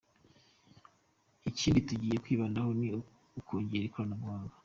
Ikindi tugiye kwibandaho ni ukongera ikoranabuhanga.